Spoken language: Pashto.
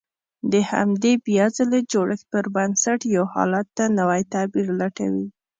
د همدې بيا ځلې جوړښت پر بنسټ يو حالت ته نوی تعبير لټوي.